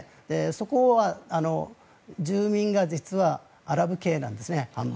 そこは住民が実はアラブ系なんですね。